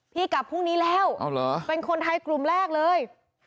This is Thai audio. พี่กลับพรุ่งนี้แล้วเป็นคนไทยกลุ่มแรกเลย